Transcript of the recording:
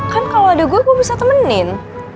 kan kalau ada gue gue bisa temenin